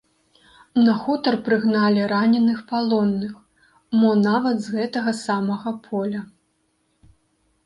На хутар прыгналі раненых палонных, мо нават з гэтага самага поля.